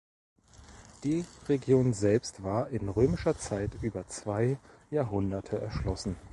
Die Region selbst war in römischer Zeit über zwei Jahrhunderte erschlossen.